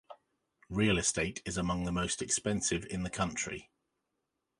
Real estate is among the most expensive in the country.